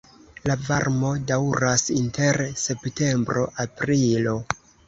La varmo daŭras inter septembro-aprilo.